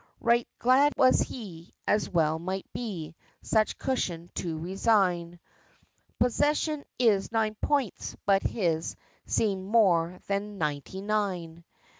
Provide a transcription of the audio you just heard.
Right glad was he, as well might be, Such cushion to resign: "Possession is nine points," but his Seemed more than ninety nine.